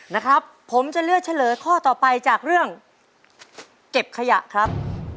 นะครับผมจะเลือกเฉลยข้อต่อไปจากเรื่องเก็บขยะครับ